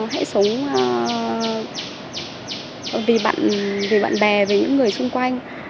hãy sống vì bạn bè vì những người xung quanh